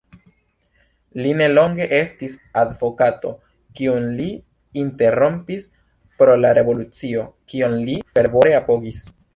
Li nelonge estis advokato, kiun li interrompis pro la revolucio, kion li fervore apogis.